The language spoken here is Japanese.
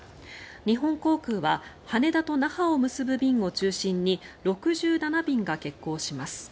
日本航空は羽田と那覇を結ぶ便を中心に６７便が欠航します。